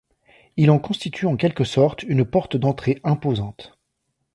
Il en constitue en quelque sorte une porte d'entrée imposante.